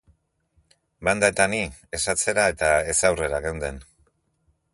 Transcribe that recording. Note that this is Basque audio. Banda eta ni ez atzera eta ez aurrera geunden.